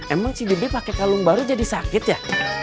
emang si debbie pakai kalung baru jadi sakit ya